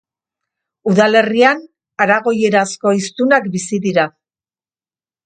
Udalerrian aragoierazko hiztunak bizi dira.